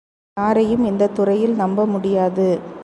யாரையும் இந்தத் துறையில் நம்பமுடியாது.